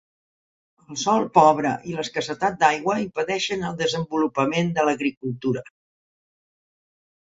El sòl pobre i l'escassetat d'aigua impedeixen el desenvolupament de l'agricultura.